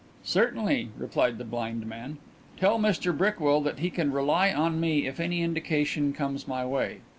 "Certainly," replied the blind man. "Tell Mr Brickwill that he can rely on me if any indication comes my way.